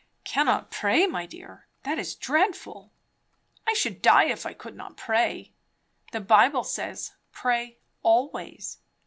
"Cannot pray, my dear! that is dreadful. I should die if I could not pray. The Bible says, pray always."